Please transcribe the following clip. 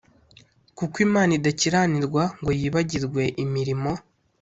kuko Imana idakiranirwa ngo yibagirwe imirimo